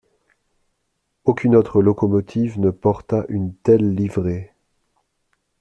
Aucune autre locomotive ne porta une telle livrée.